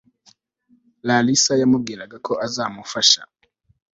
larisa yamubwiraga ko azamufasha